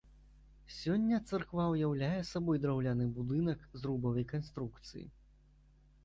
Сёння царква ўяўляе сабой драўляны будынак, зрубавай канструкцыі.